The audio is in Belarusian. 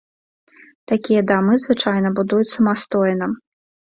Такія дамы звычайна будуюць самастойна.